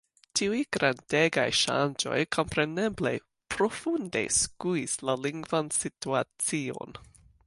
Tiuj grandegaj ŝanĝoj kompreneble profunde skuis la lingvan situacion.